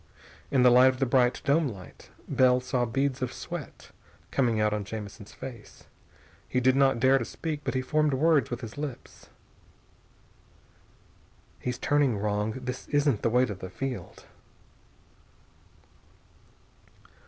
In the light of the bright dome light, Bell saw beads of sweat coming out on Jamison's face. He did not dare to speak, but he formed words with his lips. "He's turning wrong! This isn't the way to the field!"